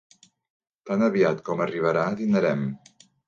Tan aviat com arribarà dinarem.